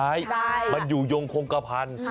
ใช่ค่ะมันอยู่ยงโฆกะพันธุ์